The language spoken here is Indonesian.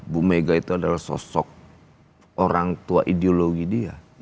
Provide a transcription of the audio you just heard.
bu mega itu adalah sosok orang tua ideologi dia